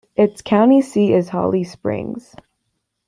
Its county seat is Holly Springs.